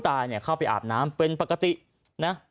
ตายเนี่ยเข้าไปอาบน้ำเป็นปกตินะ